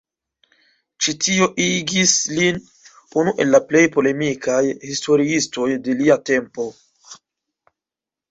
Ĉi tio igis lin unu el la plej polemikaj historiistoj de lia tempo.